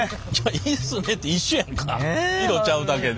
いいっすねって一緒やんか色ちゃうだけで。